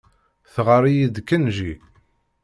Teɣɣar-iyi-d Kenji.